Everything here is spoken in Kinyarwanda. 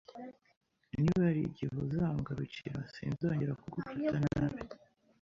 Niba hari igihe uzangarukira, sinzongera kugufata nabi